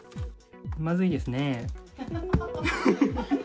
まずいですね。